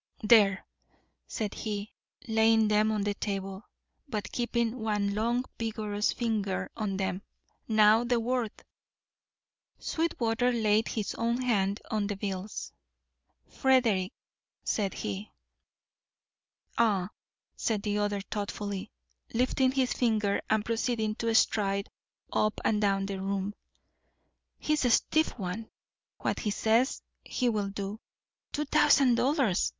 "There," said he, laying them on the table, but keeping one long vigorous finger on them. "Now, the word." Sweetwater laid his own hand on the bills. "Frederick," said he. "Ah!" said the other thoughtfully, lifting his finger and proceeding to stride up and down the room. "He's a stiff one. What he says, he will do. Two thousand dollars!